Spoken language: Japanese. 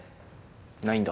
ないんだ。